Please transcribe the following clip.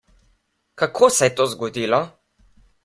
Kako se je to zgodilo?